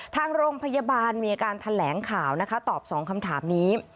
ทางโรงพยาบาลมีอาการแถลงข่าวนะคะตอบสองคำถามนี้